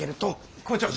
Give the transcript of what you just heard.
校長。